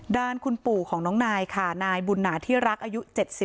ด้านคุณปู่ของน้องนายค่ะนายบุญหนาที่รักอายุ๗๒